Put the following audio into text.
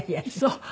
そう。